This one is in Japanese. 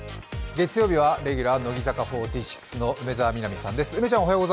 月曜日はレギュラー乃木坂４６の梅澤さんです。